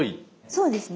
そうですね。